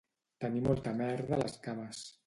Tenir molta merda a les cames